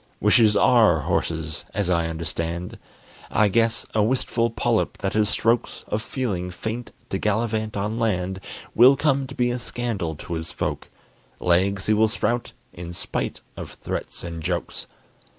Wishes are horses, as I understand. I guess a wistful polyp that has strokes Of feeling faint to gallivant on land Will come to be a scandal to his folk; Legs he will sprout, in spite of threats and jokes.